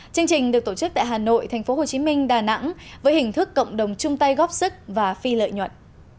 chương trình được tổ chức tại hà nội tp hcm đà nẵng với hình thức cộng đồng chung tay góp sức và phi lợi nhuận